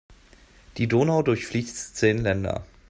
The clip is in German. Die Donau durchfließt zehn Länder.